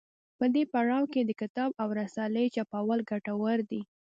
په دې پړاو کې د کتاب او رسالې چاپول ګټور دي.